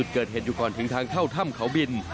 เกิดเหตุอยู่ก่อนถึงทางเข้าถ้ำเขาบิน